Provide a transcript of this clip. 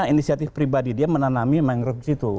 inisiatif pribadi dia menanami mangrove disitu